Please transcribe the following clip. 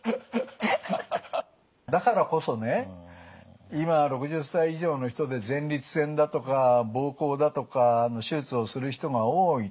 だからこそね今６０歳以上の人で前立腺だとか膀胱だとかの手術をする人が多いと。